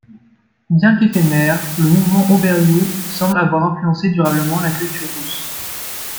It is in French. Bien qu'éphémère, le mouvement Oberiou semble avoir influencé durablement la culture russe.